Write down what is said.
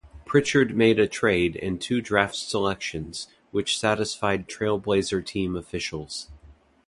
Pritchard made a trade and two draft selections, which satisfied Trail Blazer team officials.